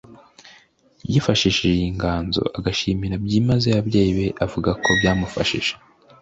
yifashisha iyi nganzo agashimira byimazeyo ababyeyi be avuga ko bamufashije